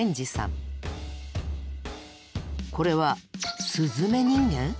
これはスズメ人間？